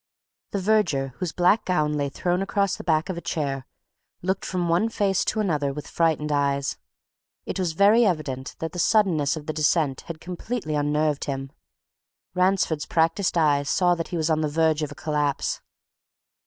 The verger, whose black gown lay thrown across the back of a chair, looked from one face to another with frightened eyes. It was very evident that the suddenness of the descent had completely unnerved him. Ransford's practised eyes saw that he was on the verge of a collapse.